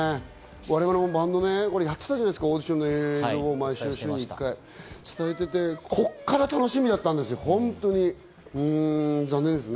我々もバンドをやってたじゃないですか、オーディションの映像を毎週１回、伝えていて、ここからが楽しみだったんですよ、本当に残念です。